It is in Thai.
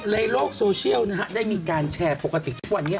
ในโลกโซเชียลนะฮะได้มีการแชร์ปกติทุกวันนี้